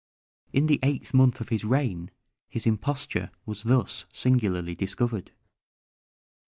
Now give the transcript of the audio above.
In the eighth month of his reign his imposture was thus singularly discovered.